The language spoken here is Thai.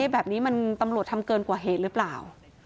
แบบนี้มันตำรวจทำเกินกว่าเหตุหรือเปล่า